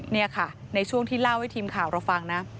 นี่ค่ะในช่วงที่เล่าให้ทีมข่าวเราฟังนะ